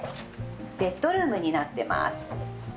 ベッドルームになってます。